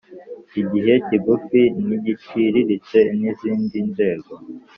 Igihe kigufi nigiciriritse nizindi nzego